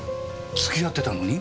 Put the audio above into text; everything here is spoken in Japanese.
付き合ってたのに？